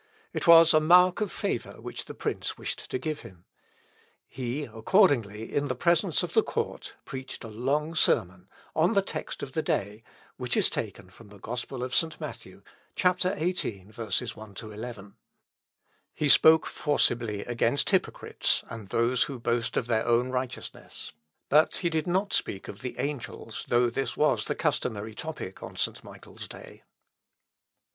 It was a mark of favour which the prince wished to give him. He, accordingly, in presence of the court, preached a long sermon, on the text of the day, which is taken from the Gospel of St. Matthew, (chap, xviii, 1 11.) He spoke forcibly against hypocrites, and those who boast of their own righteousness; but he did not speak of the angels, though this was the customary topic on St. Michael's day.